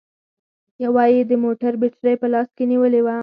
يوه يې د موټر بېټرۍ په لاس کې نيولې وه